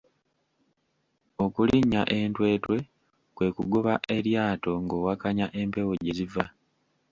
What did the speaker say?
Okulinnya entwetwe kwe kugoba eryato ng’owakanya empewo gye ziva.